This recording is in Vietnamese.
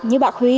như bác huy